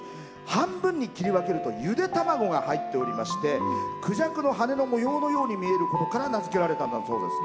半分に切り分けるとゆで卵が入っておりましてくじゃくの羽の模様のように見えることから名付けられたんだそうです。